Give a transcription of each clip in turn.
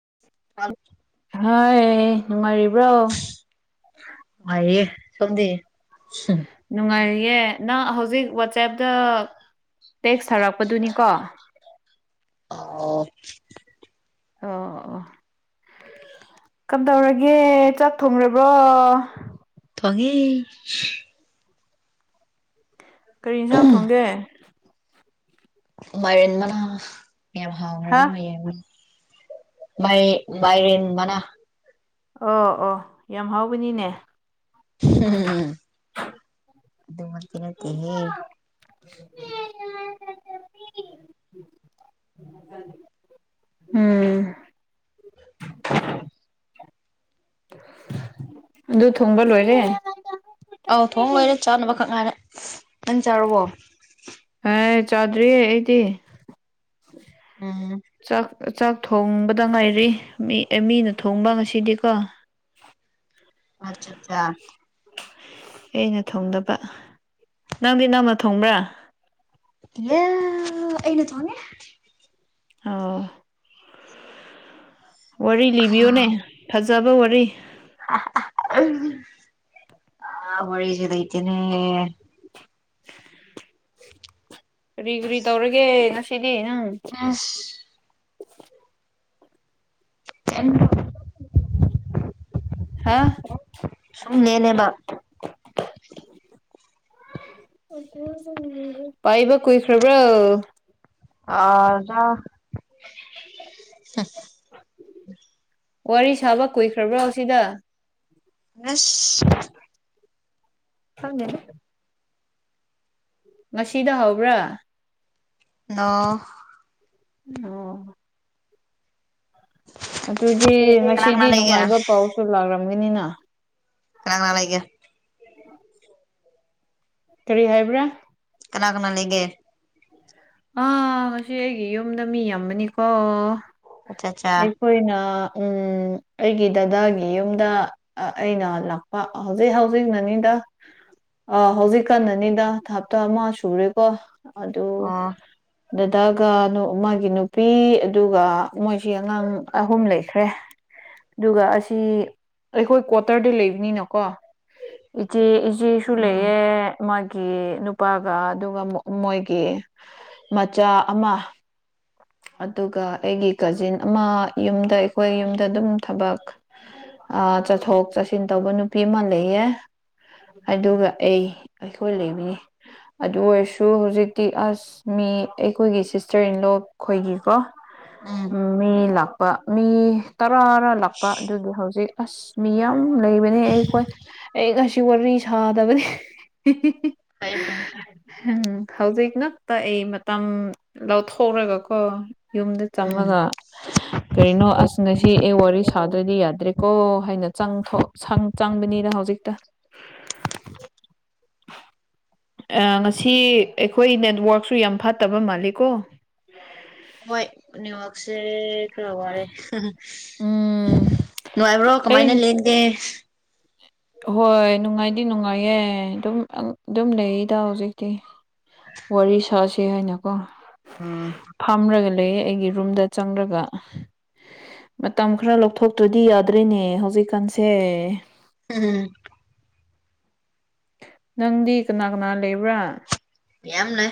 [inaudible] ꯍꯣꯏ ꯅꯨꯡꯉꯥꯏꯔꯤꯕ꯭ꯔꯣ꯫ ꯅꯨꯡꯉꯥꯏꯔꯤꯌꯦ ꯇꫭꯝꯗꯤ [unintelligible] ꯅꯨꯡꯉꯥꯏꯔꯤꯌꯦ ꯅꯪ ꯍꯧꯖꯤꯛ ꯋꯥꯆꯦꯞꯗ ꯇꯦꯛꯁ ꯊꯥꯔꯛꯄꯗꯨꯅꯤꯀꯣ꯫ ꯑꯣ꯫ ꯑꯣ ꯑꯣ ꯀꯝꯗꯧꯔꯒꯦ ꯆꯥꯛ ꯊꯣꯡꯔꯕꯣ꯫ ꯊꫭꯡꯉꯦ [unintelligible] ꯀꯔꯤ ꯌꯦꯟꯁꯥꯡ ꯊꯣꯡꯒꯦ꯫ ꯃꯥꯏꯔꯟ ꯃꯅꯥ ꯌꯥꯝ ꯍꯥ ꯍꯥꯎꯈ꯭ꯔꯒ ꯃꯩꯔꯦꯟ [inaudible] ꯃꯥꯏ ꯃꯥꯏꯔꯦꯟ ꯃꯅꯥ꯫ ꯑꯣ ꯑꯣ ꯌꯥꯝ ꯍꯥꯎꯕꯅꯤꯅꯦ꯫ [unintelligible] ꯑꯗꯨ ꯃꯛꯇꯤ ꯅꯠꯇꯦ ꯍꯦ꯫ [inaudible] [unintelligible] [inaudible] ꯑꯗꯨ ꯊꫭꯡꯕ ꯂꯣꯏꯔꯦ꯫ ꯑꯧ ꯊꯣꯡ ꯂꯣꯏꯔꯦ ꯆꯥꯅꯕꯈꯛ ꯉꯥꯏꯔꯦ ꯅꯥꯡ ꯆꯥꯔꯕꯣ꯫ ꯑꯥꯏ ꯆꯥꯗ꯭ꯔꯤ ꯑꯩꯗꯤ꯫ ꯎꯝ ꯆꯥꯛ ꯆꯥꯛ ꯊꯣꯡꯕꯗ ꯉꯥꯏꯔꯤ ꯃꯤ ꯑꯦꯃꯤꯅ ꯊꯣꯡꯕ ꯉꯁꯤꯗꯤꯀꯣ꯫ ꯑꯆꯥ ꯆꯥ꯫ ꯑꯩꯅ ꯊꯣꯡꯗꯕ ꯅꯪꯗꯤ ꯅꯪꯅ ꯊꯣꯡꯕ꯭ꯔꯥ꯫ ꯌꯥ ꯑꯩꯅ ꯊꫭꯡꯉꯦ꯫ ꯑꯣ꯫ ꯋꯥꯔꯤ ꯂꯤꯕꯤꯌꯣꯅꯦ ꯐꯖꯕ ꯋꯥꯔꯤ꯫ [unintelligible] ꯋꯔꯤꯁꯦ ꯂꯩꯇꯦꯅꯦ꯫ [unintelligible] [unintelligible] ꯀꯔꯤ ꯀꯔꯤ ꯇꯧꯔꯒꯦ ꯉꯁꯤꯗꯤ ꯅꯪ꯫ ꯑꯁ [inaudible] ꯍꯥꯥ ꯁꯨꯝ ꯂꯦꯜꯂꯦꯕ [unintelligible] ꯄꯥꯏꯕ ꯀꯨꯏꯈ꯭ꯔꯕ꯭ꯔꯣ꯫ ꯑꯥꯖꯥ ꯋꯥꯔꯤ ꯁꯥꯕ ꯀꯨꯏꯈ꯭ꯔꯕ꯭ꯔꯣ ꯁꯤꯗ꯫ ꯑꯁ ꯈꯪꯗꯦꯗꯥ꯫ ꯉꯁꯤꯗ ꯍꯧꯕ꯭ꯔꯥ꯫ ꯅꯣ ꯅ ꯑꯗꯨꯗꯤ ꯀꯅꯥ ꯀꯅꯥ ꯉꯁꯤꯗꯤ ꯂꯩꯒꯦ ꯅꯨꯡꯉꯥꯏꯕ ꯄꯥꯎꯁꯨ ꯂꯥꯛꯂꯝꯒꯅꯤꯅ꯫ ꯀꯅꯥ ꯀꯅꯥ ꯂꯩꯒꯦ꯫ ꯀꯔꯤ ꯍꯥꯏꯕ꯭ꯔꯥ꯫ ꯀꯅꯥ ꯀꯅꯥ ꯂꯩꯒꯦ꯫ ꯑꯥ ꯉꯁꯤ ꯑꯩꯒꯤ ꯌꯨꯝꯗ ꯃꯤ ꯌꯥꯝꯃꯅꯤꯀꯣ꯫ ꯑꯆꯥ ꯆꯥ ꯈꯣꯏꯅ ꯎꯝ ꯑꯩꯒꯤ ꯗꯗꯥꯒꯤ ꯌꯨꯝꯗ꯫ ꯑ ꯑꯩꯅ ꯂꯥꯛꯄ ꯍꯧꯖꯤꯛ ꯍꯧꯖꯤꯛ ꯅꯅꯤꯗ꯫ ꯑꯥ ꯍꯧꯖꯤꯛꯀꯟꯅꯅꯤꯗ ꯍꯞꯇꯥ ꯑꯃ ꯁꯨꯔꯦꯀꯣ ꯑꯗꯨ ꯑꯣ ꯗꯗꯥꯒ ꯗꯨ ꯃꯥꯒꯤ ꯅꯨꯄꯤ ꯑꯗꯨꯒ ꯃꯣꯏꯁꯤ ꯑꯉꯥꯡ ꯑꯍꯨꯝ ꯂꯩꯈ꯭ꯔꯦ꯫ ꯑꯗꯨꯒ ꯑꯁꯤ ꯑꯩꯈꯣꯏ ꯀ꯭ꯋꯥꯇꯔꯗ ꯂꯩꯕꯅꯤꯅꯀꯣ ꯏꯆꯦ ꯏꯆꯦꯁꯨ ꯎꯝ ꯂꯩꯌꯦ ꯃꯥꯒꯤ ꯅꯨꯄꯥꯒ ꯑꯗꯨꯒ ꯃꯣ ꯃꯣꯏꯒꯤ ꯃꯆꯥ ꯑꯃ ꯑꯗꯨꯒ ꯑꯩꯒꯤ ꯀꯖꯤꯟ ꯑꯃ ꯌꯨꯝꯗ ꯑꯩꯈꯣꯏ ꯌꯨꯝꯗ ꯑꯗꯨꯝ ꯊꯕꯛ ꯑ ꯆꯠꯊꯣꯛ ꯆꯠꯁꯤꯟ ꯇꯧꯕ ꯅꯨꯄꯤ ꯑꯃ ꯂꯩꯌꯦ꯫ ꯑꯗꯨꯒ ꯑꯩ ꯑꯩꯈꯣꯏ ꯂꯩꯃꯌꯦ ꯑꯗꯨ ꯑꯣꯏꯔꯁꯨ ꯍꯧꯖꯤꯛꯇꯤ ꯑꯁ ꯃꯤ ꯑꯩꯈꯣꯏꯒꯤ ꯁꯤꯁꯇꯔ ꯏꯟꯂꯣ ꯈꯣꯏꯒꯤꯀꯣ ꯎꯝ ꯃꯤ ꯂꯥꯛꯄ ꯃꯤ ꯇꯔꯥꯔ ꯂꯥꯛꯄ ꯑꯗꯨꯒꯤ ꯍꯧꯖꯤꯛ ꯑꯁ ꯃꯤ ꯌꯥꯝ ꯂꯩꯕꯅꯦ ꯑꯩꯈꯣꯏ꯫ ꯑꯩ ꯉꯁꯤ ꯋꯥꯔꯤ ꯁꯥꯗꯕꯅꯦ꯫ ꯐꯩ ꯐꯩ ꯍꯝ ꯍꯧꯖꯤꯛ ꯉꯛꯇ ꯑꯩ ꯃꯇꯝ ꯂꯧꯊꯣꯛꯔꯒꯀꯣ ꯌꯨꯝꯗ ꯆꯪꯉꯒ [unintelligible] ꯀꯔꯤꯅꯣ ꯑꯁ ꯉꯁꯤ ꯑꯦ ꯋꯥꯔꯤ ꯁꯥꯗ꯭ꯔꯗꯤ ꯌꯥꯗ꯭ꯔꯦꯀꯣ ꯍꯥꯏꯅ ꯆꯪ ꯊꯣꯛ ꯁꯪ ꯆꯪꯕꯅꯤꯅ ꯍꯧꯖꯤꯛꯇ꯫ [unintelligible] ꯑ ꯉꯁꯤ ꯑꯩꯈꯣꯏ ꯅꯦꯠꯋꯥꯔꯛꯁꯨ ꯌꯥꯝ ꯐꯠꯇꯕ ꯃꯥꯜꯂꯤꯀꯣ꯫ ꯍꯣꯏ ꯅ꯭ꯌꯋꯥꯛꯁꯦ ꯈꯔ ꯋꯥꯔꯦ [unintelligible] ꯎꯝ ꯅꯨꯡꯉꯥꯏꯕ꯭ꯔꯣ ꯑꯩ ꯀꯃꯥꯏꯅ ꯂꯦꯟꯒꯦ ꯍꯣꯏ ꯅꯨꯡꯉꯥꯏꯗꯤ ꯅꯨꯡꯉꯥꯏꯌꯦ ꯑꯗꯨꯝ ꯑꯗꯨꯝ ꯂꯩꯔꯤꯗ ꯍꯧꯖꯤꯛꯇꯤ ꯋꯥꯔꯤ ꯁꯥꯁꯤ ꯍꯥꯏꯅꯀꯣ ꯎꯝ ꯐꯝꯔꯒ ꯂꯩꯌꯦ ꯑꯩꯒꯤ ꯔꯨꯝꯗ ꯆꯪꯔꯒ ꯃꯇꯝ ꯈꯔ ꯂꯧꯊꯣꯛꯇ꯭ꯔꯗꯤ ꯌꯥꯗ꯭ꯔꯦꯅꯦ ꯍꯧꯖꯤꯛꯀꯥꯟꯁꯦ ꯎꯝ ꯅꯪꯗꯤ ꯀꯅꯥ ꯀꯅꯥ ꯂꯩꯕ꯭ꯔꯥ ꯌꯥꯝꯅꯦ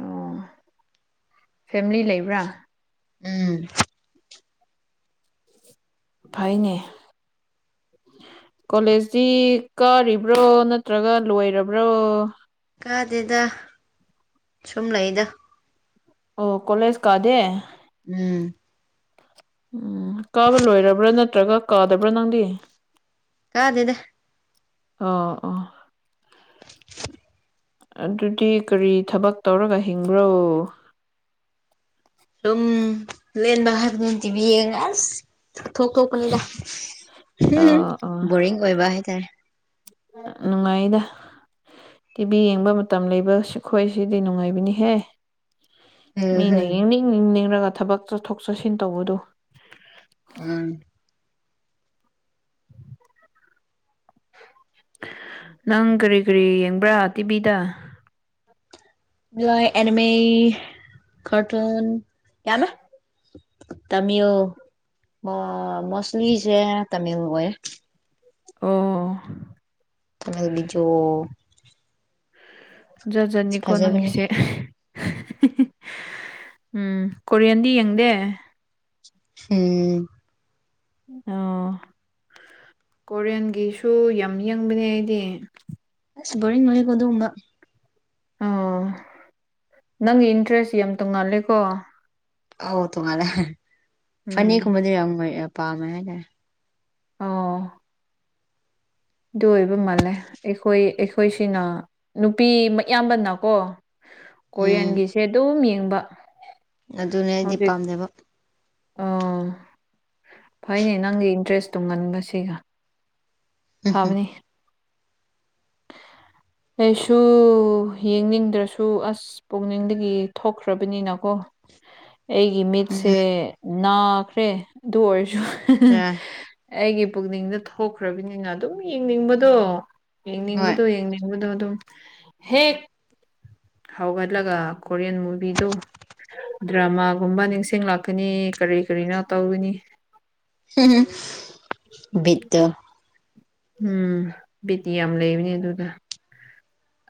ꯑꯣ ꯐꯦꯃꯤꯂꯤ ꯂꯩꯕ꯭ꯔꯥ ꯎꯝ ꯐꯩꯅꯦ ꯀꯣꯂꯦꯖꯇꯤ ꯀꯥꯔꯤꯕ꯭ꯔꯣ ꯅꯠꯇ꯭ꯔꯒ ꯂꯣꯏꯔꯕ꯭ꯔꯣ ꯀꯥꯗꯦꯗ ꯁꯨꯝ ꯂꯩꯗ ꯑꯣ ꯀꯣꯂꯦꯖ ꯀꯥꯗꯦ ꯎꯝ ꯎꯝ ꯀꯥꯕ ꯂꯣꯏꯔꯕ꯭ꯔꯥ ꯅꯠꯇ꯭ꯔꯒ ꯀꯥꯗꯕ꯭ꯔꯥ ꯅꯪꯗꯤ ꯇꯥꯗꯦꯗ ꯑꯣ ꯑꯣ ꯑꯗꯨꯗꯤ ꯀꯔꯤ ꯊꯕꯛ ꯇꯧꯔꯒ ꯍꯤꯡꯕ꯭ꯔꯣ ꯔꯨꯝ ꯂꯦꯟꯕ ꯍꯥꯥꯔꯕꯗꯨꯅꯤ ꯇꯤꯕꯤ ꯌꯦꯡꯉꯥ ꯑꯁ ꯊꯣꯛꯇꯣꯛꯄꯅꯤꯗ ꯑꯥ ꯑꯥ [unintelligible] ꯕꯣꯔꯤꯡ ꯑꯣꯏꯕ ꯍꯥꯏꯇꯥꯔꯦ ꯅꯨꯡꯉꯥꯏꯗ ꯇꯤꯚꯤ ꯌꯦꯡꯕ ꯃꯇꯝ ꯂꯩꯕ ꯁꯤꯈꯣꯏ ꯁꯤꯗꯤ ꯅꯨꯡꯉꯥꯏꯕꯅꯤꯍꯦ ꯃꯤꯅ ꯅꯤꯡꯅꯤꯡ ꯅꯤꯡꯅꯤꯡꯉꯒ ꯊꯕꯛ ꯆꯠꯊꯣꯛ ꯆꯠꯁꯤꯟ ꯇꯧꯕꯗꯨ ꯎꯝ ꯅꯪ ꯀꯔꯤ ꯀꯔꯤ ꯌꯦꯡꯕ꯭ꯔꯥ ꯇꯤꯚꯤꯗ [unintelligible] ꯑꯦꯅꯤꯃꯦ ꯀꯥꯔꯇꯨꯟ ꯌꯥꯝꯃꯦ ꯇꯃꯤꯜ ꯃꯣ ꯃꯣꯁꯂꯤꯁꯦ ꯇꯥꯃꯤꯜ ꯑꯣꯏꯌꯦ ꯑꯣ ꯇꯣ ꯕꯤꯖꯣ ꯑꯁ ꯖꯖꯅꯤꯀꯣ ꯐꯖꯕꯅꯤ ꯅꯪꯒꯤꯁꯦ [unintelligible] ꯎꯝ ꯀꯣꯔꯤꯌꯟꯗꯤ ꯌꯦꯡꯗꯦ ꯎꯝ ꯑꯣ ꯀꯣꯔꯤꯌꯟꯒꯤꯁꯨ ꯌꯥꯝ ꯌꯦꯡꯕꯅꯦ ꯑꯩꯗꯤ ꯑꯁ ꯕꯣꯔꯤꯡ ꯑꯣꯏ ꯀꯣ ꯑꯗꯨꯒꯨꯝꯕ ꯑꯣ ꯅꯪꯒꯤ ꯏꯟꯇ꯭ꯔꯦꯁꯁꯤ ꯌꯥꯝ ꯇꯣꯡꯉꯥꯜꯂꯦꯀꯣ ꯑꯥꯎ ꯇꯣꯉꯂꯦ ꯐꯅꯤ ꯎꯝ ꯀꯨꯝꯕꯗꯤ ꯌꯥꯝ ꯄꯥꯃꯦ [unintelligible] ꯑꯣ ꯑꯗꯨ ꯑꯣꯏꯕ ꯃꯥꯜꯂꯦ ꯑꯩꯈꯣꯏ ꯑꯩꯈꯣꯏꯁꯤꯅ ꯅꯨꯄꯤ ꯃꯌꯥꯝꯕꯅꯀꯣ ꯎꯝ ꯀꯣꯔꯤꯌꯥꯟꯒꯤꯁꯦ ꯑꯗꯨꯝ ꯌꯦꯡꯕ ꯑꯗꯨꯅꯦ ꯑꯩꯗꯤ ꯍꯧꯖꯤꯛ ꯄꯥꯝꯖꯕ ꯑꯣ ꯐꯩꯅꯦ ꯅꯪꯒꯤ ꯏꯟꯇ꯭ꯔꯦꯁ ꯇꯨꯝꯒꯟꯕꯁꯤꯒ ꯎꯝ ꯐꯕꯅꯤ ꯑꯩꯁꯨ ꯌꯦꯡꯅꯤꯡꯗ꯭ꯔꯁꯨ ꯑꯁ ꯄꯨꯛꯅꯤꯡꯗꯒꯤ ꯊꯣꯛꯈ꯭ꯔꯕꯅꯤꯅꯀꯣ ꯑꯩꯒꯤ ꯎꯝ ꯃꯤꯠꯁꯦ ꯅꯥꯈ꯭ꯔꯦ ꯑꯗꯨ ꯑꯣꯏꯔꯁꯨ ꯔ ꯑꯩꯒꯤ ꯄꯨꯛꯅꯤꯡꯗ ꯊꯣꯛꯈ꯭ꯔꯕꯅꯤꯅ ꯑꯗꯨꯝ ꯌꯦꯡꯅꯤꯡꯕꯗꯣ ꯍꯣꯏ ꯌꯦꯡꯅꯤꯡꯕꯗꯣ ꯌꯦꯡꯅꯤꯡꯕꯗꯣ ꯑꯗꯨꯝ ꯍꯦꯛ ꯍꯧꯒꯠꯂꯒ ꯀꯣꯔꯤꯌꯟ ꯃꯨꯚꯤꯗꯨ ꯗ꯭ꯔꯃꯥꯒꯨꯝꯕ ꯅꯤꯡꯁꯤꯡꯂꯛꯀꯅꯤ ꯀꯔꯤ ꯀꯔꯤꯅꯣ ꯇꯧꯒꯅꯤ ꯕꯤꯠꯇꯣ ꯎꯝ ꯕꯤꯠ ꯌꯥꯝ ꯂꯩꯕꯅꯦ ꯑꯗꯨꯗꯣ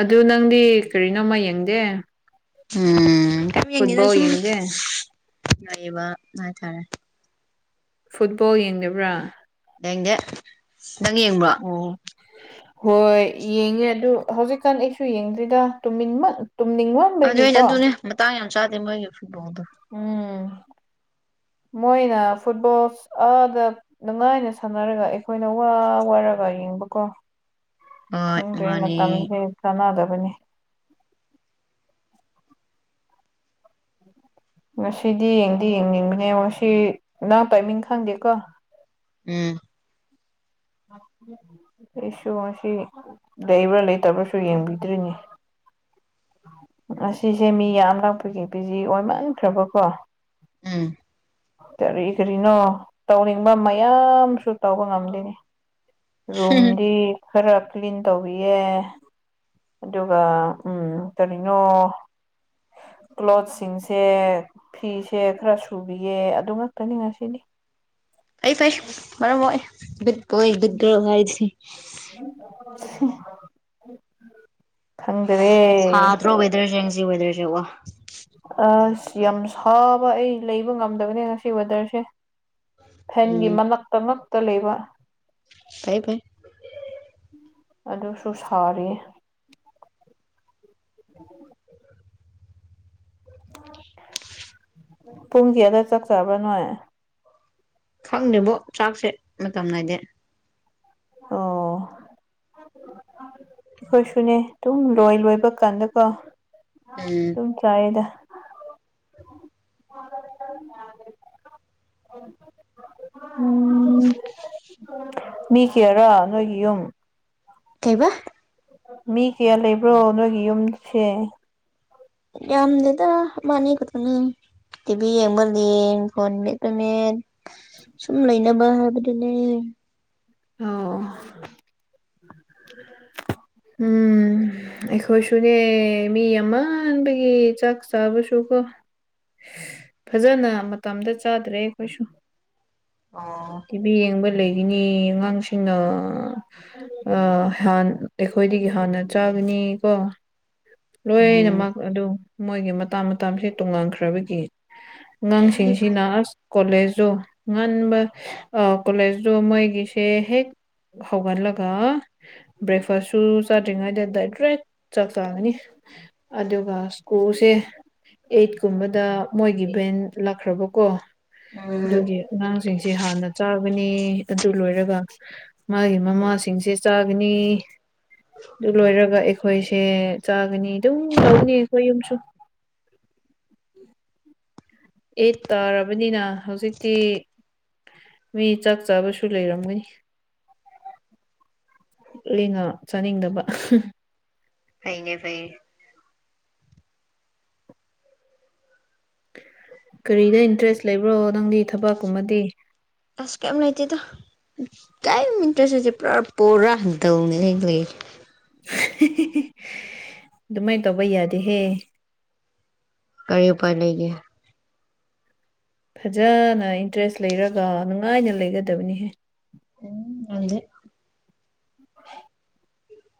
ꯑꯗꯨ ꯅꯪꯗꯤ ꯀꯔꯤꯅꯣꯃ ꯌꯦꯡꯗꯦ ꯎꯝ ꯀꯩꯝ ꯌꯦꯡꯗꯦꯗ ꯐꯨꯠꯕꯣꯜ ꯁꯨꯝ ꯌꯦꯡꯗꯦ ꯂꯩꯌꯦꯕ ꯍꯥꯏꯇꯥꯔꯦ ꯐꯨꯠꯕꯣꯜ ꯌꯦꯡꯗꯕ꯭ꯔꯥ ꯌꯦꯡꯗꯦ ꯅꯪ ꯌꯦꯡꯕꯔꯣ ꯑꯣ ꯍꯣꯏ ꯌꯦꯡꯉꯦ ꯑꯗꯨ ꯍꯧꯖꯤꯛꯀꯥꯟ ꯑꯩꯁꯨ ꯌꯦꯡꯗ꯭ꯔꯦꯗ ꯇꯨꯅꯤꯡꯃꯟ ꯑꯗꯨꯏꯗꯤ ꯑꯗꯨꯅꯤ ꯃꯇꯥꯡ ꯌꯥꯝ ꯆꯥꯗꯦ ꯃꯣꯏꯒꯤ ꯐꯨꯠꯕꯣꯜꯗꯣ ꯎꯝ ꯃꯣꯏꯅ ꯐꯨꯠꯕꯣꯜ ꯑꯥꯗ ꯅꯨꯡꯉꯥꯏꯅ ꯁꯥꯟꯅꯔꯒ ꯑꯩꯈꯣꯏꯅ ꯋꯥ ꯋꯥꯔꯒ ꯌꯦꯡꯕꯀꯣ ꯍꯣꯏ ꯈꯪꯗ꯭ꯔꯦ ꯃꯥꯅꯦ ꯃꯇꯝꯁꯦ ꯀꯥꯟꯅꯗꯕꯅꯤ ꯉꯁꯤꯗꯤ ꯌꯦꯡꯗꯤ ꯌꯦꯡꯅꯤꯡꯕꯅꯦ ꯉꯁꯤ ꯅꯪ ꯇꯥꯏꯃꯤꯡ ꯈꯪꯗꯦꯀꯣ ꯎꯝ [unintelligible] ꯑꯩꯁꯨ ꯉꯁꯤ ꯂꯩꯕ꯭ꯔꯥ ꯂꯩꯇꯕ꯭ꯔꯥꯁꯨ ꯌꯦꯡꯕꯤꯗ꯭ꯔꯤꯅꯤ ꯉꯁꯤꯁꯦ ꯃꯤ ꯌꯥꯝꯂꯥꯛꯄꯤꯒꯤ ꯕꯤꯖꯤ ꯑꯣꯏꯃꯥꯟꯈ꯭ꯔꯕꯀꯣ ꯎꯝ ꯀꯔꯤ ꯀꯔꯤꯅꯣ ꯇꯧꯅꯤꯡꯕ ꯃꯌꯥꯝꯁꯨ ꯇꯧꯕ ꯉꯝꯗꯦꯅꯦ ꯔꯨꯝꯗꯤ ꯈꯔ ꯀ꯭ꯂꯤꯟ ꯇꯧꯕꯤꯌꯦ ꯑꯗꯨꯒ ꯎꯝ ꯀꯔꯤꯅꯣ ꯀ꯭ꯂꯣꯠꯁꯤꯡꯁꯦ ꯐꯤꯁꯦ ꯈꯔ ꯁꯨꯕꯤꯌꯦ ꯑꯗꯨꯉꯥꯛꯇꯅꯤ ꯉꯁꯤꯗꯤ ꯐꯩ ꯐꯩ ꯃꯔꯝ ꯃꯣꯛꯏ ꯒꯨꯗ ꯕꯣꯏ ꯒꯨꯗ ꯒ꯭ꯔꯜ ꯍꯥꯏꯁꯤ [unintelligible] ꯈꯪꯗ꯭ꯔꯦ ꯁꯥꯗ꯭ꯔꯣ ꯋꯦꯗꯔꯖꯦ ꯉꯁꯤ ꯋꯦꯗꯔꯖꯦ ꯋꯥ ꯑꯁ ꯌꯥꯝ ꯁꯥꯕ ꯑꯩ ꯂꯩꯕ ꯉꯝꯗꯕꯅꯦ ꯉꯁꯤ ꯋꯦꯗꯔꯁꯦ ꯐꯦꯟꯒꯤ ꯎꯝ ꯃꯅꯥꯛꯇ ꯉꯛꯇ ꯂꯩꯕ ꯐꯩ ꯐꯩ ꯑꯗꯨꯁꯨ ꯁꯥꯔꯤꯌꯦ ꯄꯨꯡ ꯀꯌꯥꯗ ꯆꯛ ꯆꯥꯕ꯭ꯔꯥ ꯅꯣꯏ ꯈꯪꯗꯦꯕꯣ ꯆꯥꯛꯁꯦ ꯃꯇꯝ ꯅꯥꯏꯗꯦ ꯑꯣ ꯑꯩꯈꯣꯏꯁꯨꯅꯦ ꯑꯗꯨꯝ ꯂꯣꯏ ꯂꯣꯏꯕ ꯀꯥꯟꯗꯀꯣ ꯎꯝ ꯑꯗꯨꯝ ꯆꯥꯏꯌꯦꯗ ꯎꯝ ꯃꯤ ꯀꯌꯥꯔꯥ ꯅꯣꯏꯒꯤ ꯌꯨꯝ ꯀꯩꯕꯥ ꯃꯤ ꯀꯌꯥ ꯂꯩꯕ꯭ꯔꯣ ꯅꯣꯏꯒꯤ ꯌꯨꯝꯁꯦ ꯌꯥꯝꯗꯦꯗ ꯑꯃꯥꯅꯤ ꯈꯛꯇꯅꯤ ꯇꯤꯕꯤ ꯌꯦꯡꯕ ꯌꯦꯡ ꯐꯣꯟ ꯃꯦꯠꯄ ꯃꯦꯠ ꯁꯨꯝ ꯂꯩꯅꯕ ꯍꯥꯏꯕꯗꯨꯅꯦ ꯑꯣ ꯎꯝ ꯑꯩꯈꯣꯏꯁꯨꯅꯦ ꯃꯤ ꯑꯃꯥꯟꯕꯒꯤ ꯆꯥꯛ ꯆꯥꯕꯁꯨ ꯀꯣ ꯐꯖꯅ ꯃꯇꯝꯗ ꯆꯥꯗ꯭ꯔꯦ ꯑꯩꯈꯣꯏꯁꯨ ꯑꯣ ꯌꯦꯡꯕ ꯂꯩꯔꯤꯅꯦ ꯑꯉꯥꯡꯁꯤꯡꯅ ꯑꯥꯥ ꯍꯥꯟ ꯑꯩꯈꯣꯏꯗꯒꯤ ꯍꯥꯟꯅ ꯆꯥꯒꯅꯤ ꯀꯣ ꯎꯝ ꯂꯣꯏꯅꯃꯛ ꯑꯗꯨ ꯃꯣꯏꯒꯤ ꯃꯇꯥ ꯃꯇꯥꯁꯦ ꯇꯣꯉꯥꯟꯈ꯭ꯔꯕꯒꯤ ꯐꯩ ꯐꯩ ꯑꯉꯥꯡꯁꯤꯡꯁꯤꯅ ꯑꯁ ꯀꯣꯂꯦꯖꯖꯨ ꯉꯟꯕ ꯑꯥ ꯀꯣꯂꯦꯖꯇꯨ ꯃꯣꯏꯒꯤꯁꯦ ꯍꯦꯛ ꯍꯧꯒꯠꯂꯒ ꯕ꯭ꯔꯦꯛꯐꯥꯁꯁꯨ ꯆꯥꯗ꯭ꯔꯤꯉꯩꯗ ꯗꯥꯏꯔꯦꯛ ꯆꯥꯛ ꯆꯥꯒꯅꯤ ꯑꯗꯨꯒ ꯁ꯭ꯀꯨꯜꯁꯦ ꯑꯩꯠꯀꯨꯝꯕꯗ ꯃꯣꯏꯒꯤ ꯚꯦꯟ ꯂꯥꯛꯈ꯭ꯔꯕꯀꯣ ꯎꯝ ꯑꯗꯨꯒꯤ ꯑꯉꯥꯡꯁꯤꯡꯁꯦ ꯍꯥꯟꯅ ꯆꯥꯒꯅꯤ ꯑꯗꯨ ꯂꯣꯏꯔꯒ ꯃꯥꯒꯤ ꯃꯃꯥꯁꯤꯡꯁꯦ ꯆꯥꯒꯅꯤ ꯑꯗꯨ ꯂꯣꯏꯔꯒ ꯑꯩꯈꯣꯏꯁꯦ ꯆꯥꯒꯅꯤ ꯑꯗꯨꯝ ꯇꯧꯒꯅꯤ ꯑꯩꯈꯣꯏ ꯌꯨꯝꯁꯨ ꯑꯩꯠ ꯇꯥꯔꯕꯅꯤꯅ ꯍꯧꯖꯤꯛꯇꯤ ꯃꯤ ꯆꯥꯛ ꯆꯥꯕꯁꯨ ꯂꯩꯔꯝꯒꯅꯤ ꯑꯩꯅ ꯆꯥꯅꯤꯡꯗꯕ ꯐꯩꯅꯦ ꯐꯩ ꯀꯔꯤꯗ ꯏꯟꯇꯔꯦꯁ ꯂꯩꯕ꯭ꯔꯣ ꯅꯪꯗꯤ ꯊꯕꯛꯀꯨꯝꯃꯗꯤ ꯑꯁ ꯀꯩꯝ ꯂꯩꯇꯦꯗ ꯀꯩꯝ ꯏꯟꯇꯔꯦꯁꯇ ꯂꯩꯇꯦ ꯄꯨꯔꯥ ꯄꯨꯔꯥꯛ ꯗꯜꯅꯦ ꯑꯩ ꯂꯩꯔꯤꯖꯦ ꯑꯗꯨꯃꯥꯏꯅ ꯇꯧꯕ ꯌꯥꯗꯦꯍꯦ ꯀꯔꯤ ꯎꯄꯥꯏ ꯂꯩꯒꯦ ꯐꯖꯅ ꯏꯟꯇꯔꯦꯁ ꯂꯩꯔꯒ ꯅꯨꯡꯉꯥꯏꯅ ꯂꯩꯒꯗꯕꯅꯤ ꯎꯝ ꯅꯪꯗꯦ